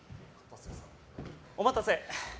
お待たせ。